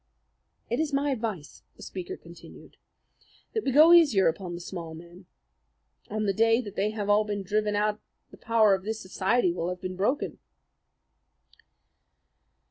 "It is my advice," the speaker continued, "that we go easier upon the small men. On the day that they have all been driven out the power of this society will have been broken."